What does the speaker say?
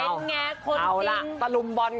เอ้าดูหน่อย